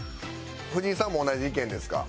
藤井さんも同じ意見ですか？